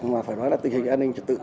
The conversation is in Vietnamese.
mà phải nói là tình hình an ninh trật tự